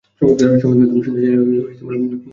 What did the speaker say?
তুমি শুনতে চাইলে খুলে বলতে পারি।